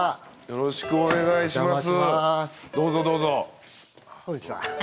よろしくお願いします。